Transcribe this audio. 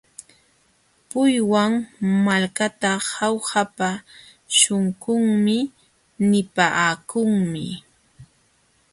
Puywan malkata Jaujapa śhunqunmi nipaakunmi.